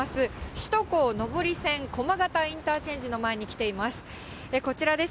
首都高上り線、駒形インターチェンジの前に来ています。